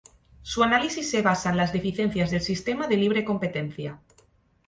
Su análisis se basa en las deficiencias del sistema de libre competencia.